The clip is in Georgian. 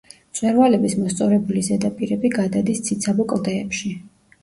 მწვერვალების მოსწორებული ზედაპირები გადადის ციცაბო კლდეებში.